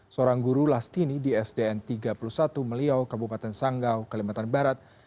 seorang guru lastini di sdn tiga puluh satu meliau kabupaten sanggau kalimantan barat